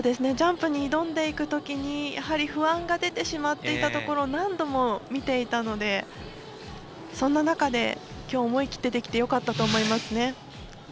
ジャンプに挑んでいくとき不安が出てしまっていたところを何度も見ていたので、そんな中できょう、思い切ってできてよかったと思います。